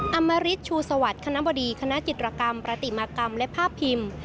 อมริตชูสวัสดิ์คณะบดีคณะจิตรกรรมประติมากรรมและภาพพิมพ์